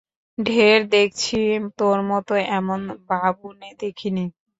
ঢের দেখেছি, তোর মতো এমন ভাবুনে দেখি নি।